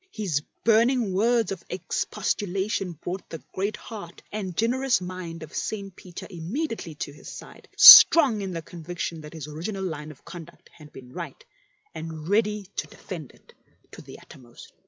His burning words of expostulation brought the great heart and generous mind of St. Peter immediately to his side, strong in the conviction that his original line of conduct had been right, and ready to defend it to the uttermost.